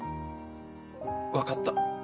分かった。